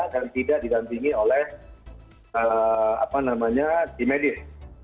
dan tidak didampingi oleh apa namanya tim medis